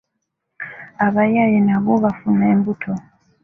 Abayaaye nabo bafuna embuto?